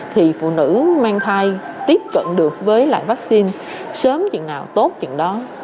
thì phụ nữ mang thai tiếp cận được với lại vaccine sớm chừng nào tốt chừng đó